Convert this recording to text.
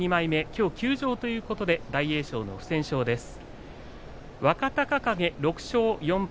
きょうは休場ということで大栄翔の不戦勝です。